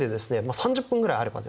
３０分ぐらいあればですね